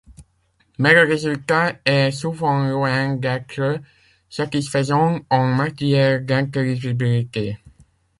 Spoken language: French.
Mais le résultat est souvent loin d'être satisfaisant en matière d'intelligibilité.